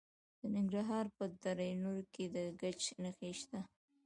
د ننګرهار په دره نور کې د ګچ نښې شته.